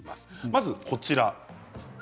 まず、こちらです。